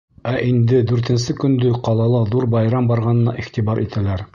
Ә инде дүртенсе көндө ҡалала ҙур байрам барғанына иғтибар итәләр.